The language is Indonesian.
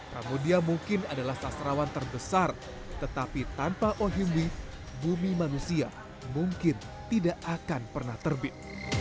pramudia mungkin adalah sastrawan terbesar tetapi tanpa ohimwi bumi manusia mungkin tidak akan pernah terbit